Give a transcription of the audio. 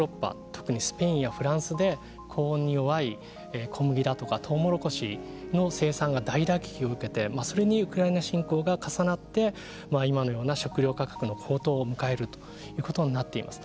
特にスペインやフランスで高温に弱い小麦だとかトウモロコシの生産が大打撃を受けてそれにウクライナ侵攻が重なって今のような食糧価格の高騰を迎えるということになっています。